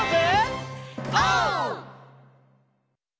オー！